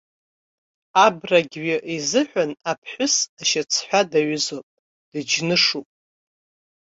Абрагьҩы изыҳәан аԥҳәыс ашьацҳәа даҩызоуп, дыџьнышуп.